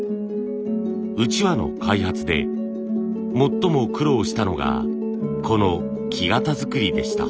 うちわの開発で最も苦労したのがこの木型作りでした。